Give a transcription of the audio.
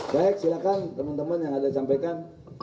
baik silakan teman teman yang ada yang menyampaikan